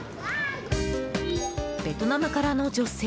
ベトナムからの女性。